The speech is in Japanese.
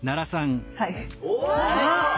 はい。